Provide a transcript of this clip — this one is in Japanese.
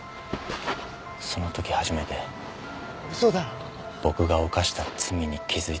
その時初めて僕が犯した罪に気づいたんです。